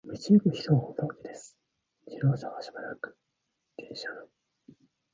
道ゆく人もおぼろげです。自動車はしばらく電車道を通っていましたが、やがて、さびしい横町に折れ、ひじょうな速力で走っています。